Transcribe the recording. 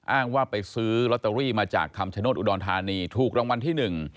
อ้างว่าไปซื้อลอตเตอรี่มาจากคำชโนธอุดรธานีถูกรางวัลที่หนึ่ง